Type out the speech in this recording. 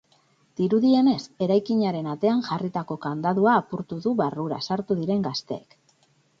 Dirudienez, eraikinaren atean jarritako kandadua apurtu dute barrura sartu diren gazteek.